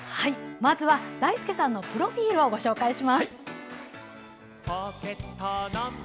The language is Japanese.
まずは、だいすけさんのプロフィールをご紹介します。